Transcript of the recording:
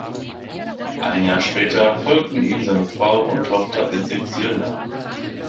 Ein Jahr später folgten ihm seine Frau und Tochter ins Exil nach.